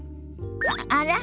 あら？